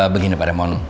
begini pak raymond